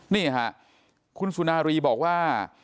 นี่ค่ะคุณสุนารีบอกว่า